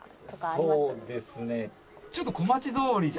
「そうですね」